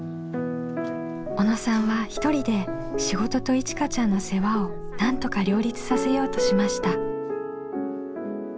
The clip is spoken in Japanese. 小野さんは一人で仕事といちかちゃんの世話をなんとか両立させようとしました。